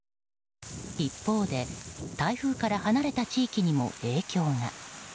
一方で台風から離れた地域にも影響が。